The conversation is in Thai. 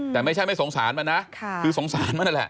แต่ไม่ใช่ไม่สงสารมันนะคือสงสารมันนั่นแหละ